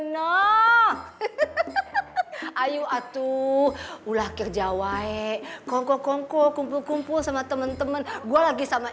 no ayu atuh ulah kerja wae kongko kongko kumpul kumpul sama temen temen gua lagi sama